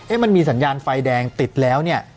มันมีสัญญาณไฟแดงติดแล้วเนี่ย